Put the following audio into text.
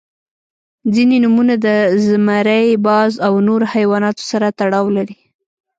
• ځینې نومونه د زمری، باز او نور حیواناتو سره تړاو لري.